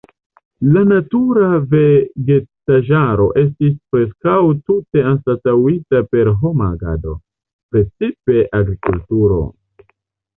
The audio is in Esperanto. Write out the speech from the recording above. La natura vegetaĵaro estis preskaŭ tute anstataŭita per homa agado, precipe agrikulturo.